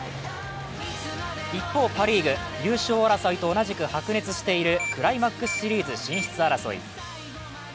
一方、パ・リーグ、優勝争いと同じく白熱しているクライマックスシリーズ進出争い。